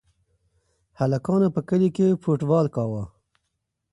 هلکانو په کلي کې فوټبال کاوه.